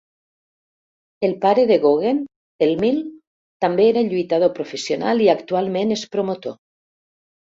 El pare de Goguen, Elmile, també era lluitador professional i actualment és promotor.